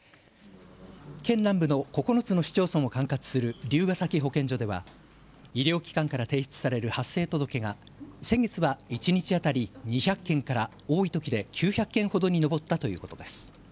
県南部の９つの市町村を管轄する竜ケ崎保健所では医療機関から提出される発生届が先月は一日当たり２００件から多いときで９００件ほどに上ったということです。